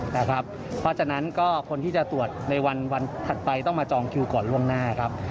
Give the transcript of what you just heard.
เพราะฉะนั้นก็คนที่จะตรวจในวันถัดไปต้องมาจองคิวก่อนล่วงหน้าครับ